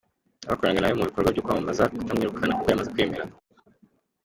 abakoranaga na we mu bikorwa byo kwamamaze kutamwirukana kuko yamaze kwemera.